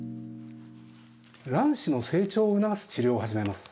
卵子の成長を促す治療を始めます。